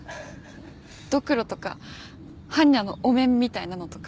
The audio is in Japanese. ドクロとか般若のお面みたいなのとか？